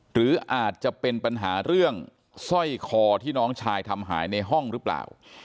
หรืออาจจะเป็นปัญหาเรื่องสร้อยคอที่น้องชายทำหายในห้องหรือเปล่า